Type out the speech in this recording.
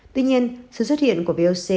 tuy nhiên sự xuất hiện của voc